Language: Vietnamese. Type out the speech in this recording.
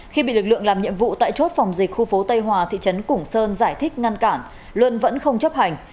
khi bị lực lượng làm nhiệm vụ tại chốt phòng dịch khu phố tây hòa thị trấn củng sơn giải thích ngăn cản luân vẫn không chấp hành